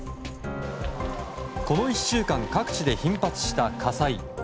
この１週間各地で頻発した火災。